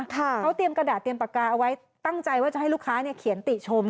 เขาเตรียมกระดาษเตรียมปากกาเอาไว้ตั้งใจว่าจะให้ลูกค้าเขียนติชม